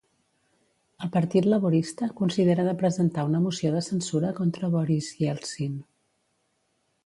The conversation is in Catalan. El Partit Laborista considera de presentar una moció de censura contra Boris Ieltsin.